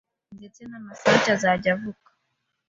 ndetse n’amasake azajya avuka,